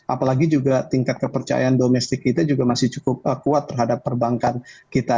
apalagi juga tingkat kepercayaan domestik kita juga masih cukup kuat terhadap perbankan kita